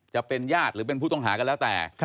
จะเป็นญาติหรือเป็นผู้ต้องหาก็แล้วแต่